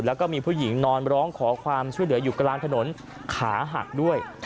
แล้วก็มีผู้หญิงนอนร้องขอความช่วยเหลืออยู่กลางถนนขาหักด้วย